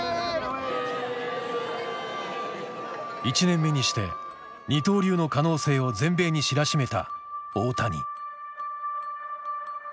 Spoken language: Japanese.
１年目にして二刀流の可能性を全米に知らしめた大谷。